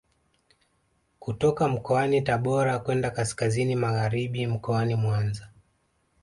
Kutoka mkoani Tabora kwenda kaskazini magharibi mkoani Mwanza